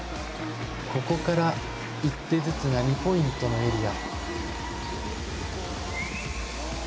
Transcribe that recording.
ここから、１手ずつが２ポイントのエリア。